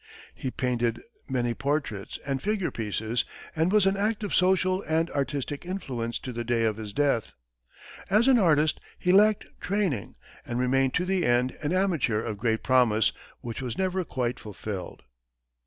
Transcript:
He painted many portraits and figure pieces, and was an active social and artistic influence to the day of his death. As an artist, he lacked training, and remained to the end an amateur of great promise, which was never quite fulfilled.